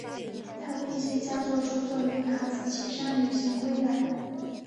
他的一些佳作创作于卡兹奇山旅行归来。